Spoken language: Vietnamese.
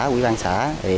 quỹ ban xã